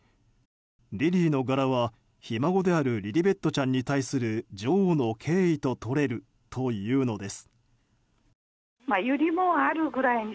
リリーの柄はひ孫であるリリベットちゃんに対する女王の敬意ととれるというのです。